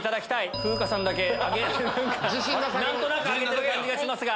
風花さんだけ何となく挙げてる感じがしますが。